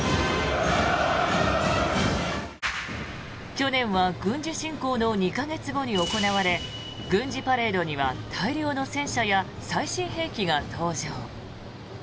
去年は軍事侵攻の２か月後に行われ軍事パレードには大量の戦車や最新兵器が登場。